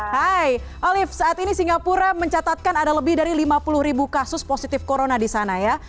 hai olive saat ini singapura mencatatkan ada lebih dari lima puluh ribu kasus positif corona di sana ya